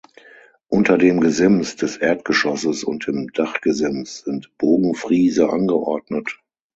Unter dem Gesims des Erdgeschosses und dem Dachgesims sind Bogenfriese angeordnet.